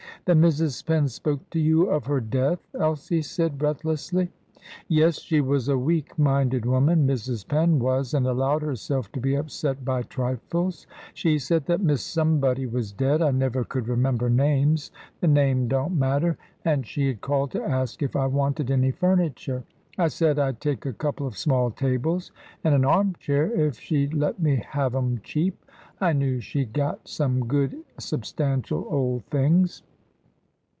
"Then Mrs. Penn spoke to you of her death?" Elsie said breathlessly. "Yes; she was a weak minded woman, Mrs. Penn was, and allowed herself to be upset by trifles. She said that Miss Somebody was dead I never could remember names; the name don't matter and she had called to ask if I wanted any furniture. I said I'd take a couple of small tables and an arm chair if she'd let me have 'em cheap. I knew she'd got some good, substantial old things."